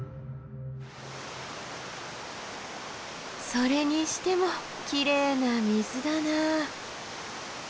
それにしてもきれいな水だなあ。